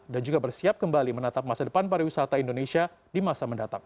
dan juga bersiap kembali menatap masa depan pariwisata indonesia di masa mendatang